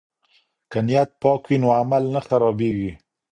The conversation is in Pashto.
که نیت پاک وي نو عمل نه خرابیږي.